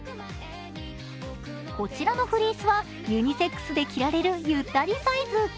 こちらのフリースはユニセックスで着られるゆったりサイズ。